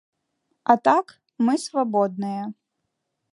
А так, мы свабодныя.